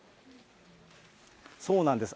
そうなんです。